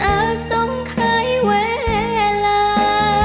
อาสังขายเวลา